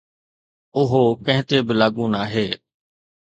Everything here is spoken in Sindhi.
اهو ڪنهن تي به لاڳو ناهي.